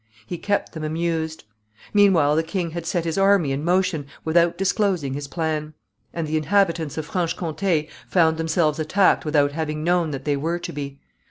He kept them amused. Meanwhile the king had set his army in motion without disclosing his plan, and the inhabitants of Franche Comte found themselves attacked without having known that they were to be.